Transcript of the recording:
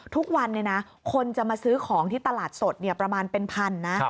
ทุกวันคนจะมาซื้อของที่ตลาดสดประมาณเป็นพันนะ